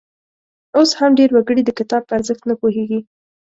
اوس هم ډېر وګړي د کتاب په ارزښت نه پوهیږي.